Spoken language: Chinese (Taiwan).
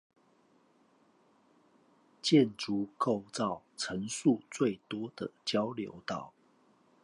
建築構造層數最多的交流道